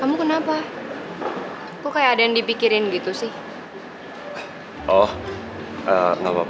kalo gak mau maka health hadit terkenal aja biar jeremy